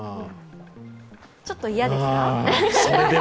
ちょっと嫌ですか？